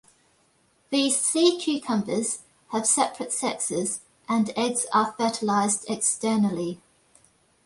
These sea cucumbers have separate sexes, and eggs are fertilized externally.